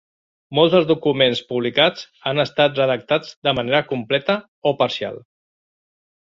Molts dels documents publicats han estat redactats de manera completa o parcial.